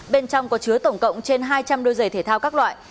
bên trong có chứa tổng cộng trên hai trăm linh đôi giày thể thao các loại